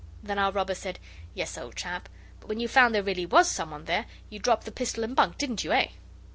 Then our robber said, 'Yes, old chap; but when you found there really was someone there, you dropped the pistol and bunked, didn't you, eh?